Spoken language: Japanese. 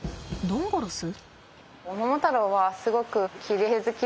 ドンゴロス？